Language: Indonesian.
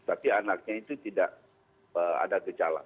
tapi anaknya itu tidak ada gejala